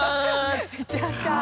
行ってらっしゃい。